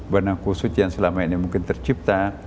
benang khusus yang selama ini mungkin tercipta